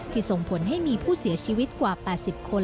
ส่งผลให้มีผู้เสียชีวิตกว่า๘๐คน